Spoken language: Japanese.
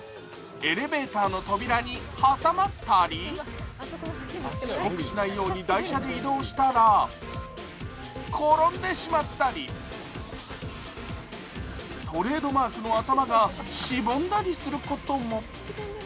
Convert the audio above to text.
エレベーターの扉に挟まったり遅刻しないように台車で移動したら、転んでしまったり、トレードマークの頭がしぼんだりすることも。